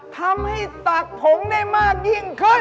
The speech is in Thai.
ทำให้ตักผงได้มากยิ่งขึ้น